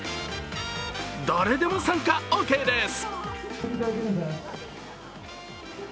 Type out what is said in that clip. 誰でも参加オーケーです。